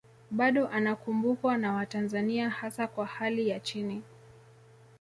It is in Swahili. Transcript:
Bado anakumbukwa na watanzania hasa wa hali ya chini